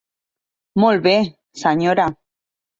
Molt bé, senyora.